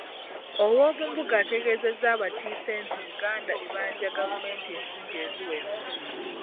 Owoomumbuga ategeezezza abakiise nti Buganda ebanja gavumenti ensimbi eziwera